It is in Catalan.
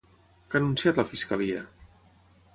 Què ha anunciat la fiscalia?